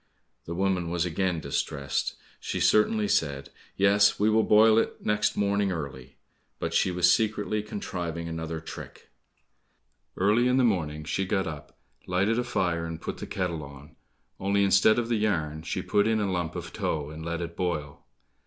The woman was again distressed; She certainly said, "Yes, we will boil it next morning early." but she was secretly contriving another trick. Early in the morning she got up, lighted a fire, and put the kettle on, only instead of the yarn, she put in a lump of tow, and let it boil.